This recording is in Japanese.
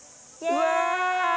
うわ！